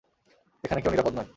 এখানে কেউ নিরাপদ নয়।